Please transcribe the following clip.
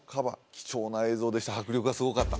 貴重な映像でした迫力がすごかった